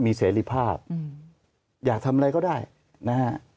มีเสรีภาพอยากทำอะไรก็ได้นะฮะ